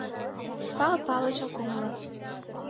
Пал Палыч ок умыло: